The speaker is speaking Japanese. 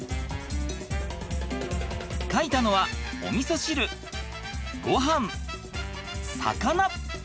描いたのはおみそ汁ごはん魚。